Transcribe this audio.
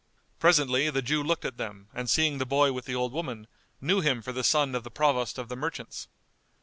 Presently the Jew looked at them and seeing the boy with the old woman, knew him for the son of the Provost of the Merchants.